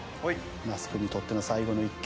那須君にとっての最後の一球。